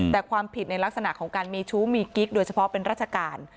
แต่ความผิดในลักษณะของการมีชู้มีกิ๊กโดยเฉพาะเป็นราชการ